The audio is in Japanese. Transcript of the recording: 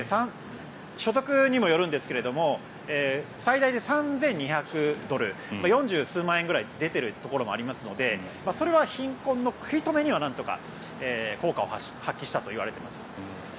所得にもよるんですが最大で３２００ドル４０数万円出ているところもありますのでそれは貧困の食い止めにはなんとか、効果を発揮したといわれています。